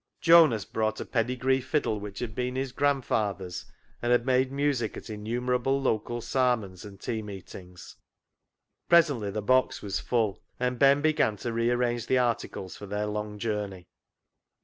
Jonas brought a pedi gree fiddle, which had been his grandfather's, and had made music at innumerable local " sarmons " and tea meetings. Presently the box was full, and Ben began to rearrange the articles for their long journey.